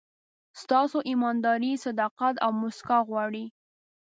ستاسو ایمانداري، صداقت او موسکا غواړي.